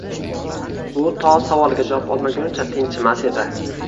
U to savoliga javob olmagunicha tinchimas edi.